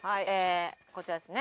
こちらですね